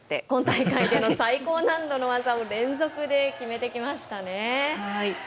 今大会の最高難度の技を連続で決めてきましたね。